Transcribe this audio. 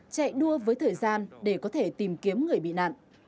chạy đua với thời gian để có thể tìm kiếm người bị nạn